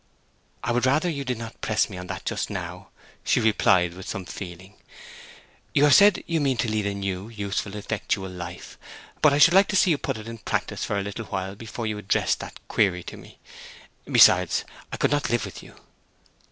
"I would rather you did not press me on that just now," she replied, with some feeling. "You have said you mean to lead a new, useful, effectual life; but I should like to see you put it in practice for a little while before you address that query to me. Besides—I could not live with you."